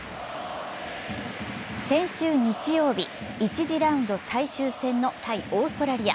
先週日曜日、１次ラウンド最終戦の対オーストラリア。